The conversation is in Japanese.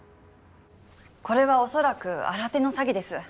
これはおそらく新手の詐欺です。